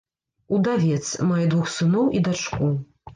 Удавец, мае двух сыноў і дачку.